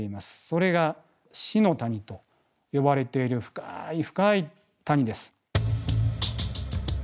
それが死の谷と呼ばれている深い深い谷です。